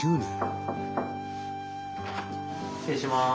失礼します。